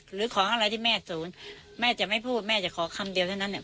หรือของอะไรที่แม่ศูนย์แม่จะไม่พูดแม่จะขอคำเดียวเท่านั้นเนี่ย